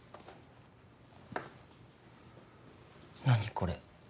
何これ？